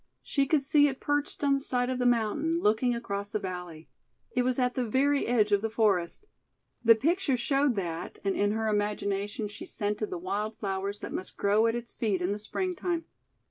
She could see it perched on the side of the mountain, looking across the valley. It was at the very edge of the forest. The picture showed that, and in her imagination she scented the wild flowers that must grow at its feet in the springtime.